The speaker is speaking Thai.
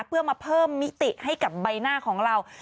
เพื่อมาเพิ่มมิติให้กับใบหน้าของเรา